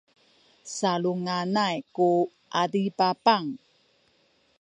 salunganay ku adipapang